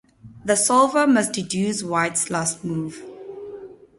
The solver must deduce White's last move.